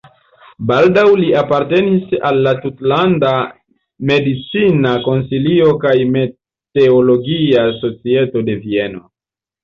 Baldaŭ li apartenis al la tutlanda medicina konsilio kaj meteologia societo de Vieno.